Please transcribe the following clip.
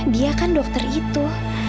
dia kan dokter itu